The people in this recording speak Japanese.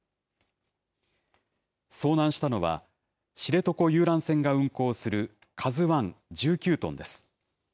遭難したのは、知床遊覧船が運航する、ＫＡＺＵＩ、１９トンです。